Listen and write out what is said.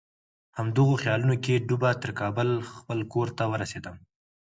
همدغو خیالونو کې ډوبه تر کابل خپل کور ته ورسېدم.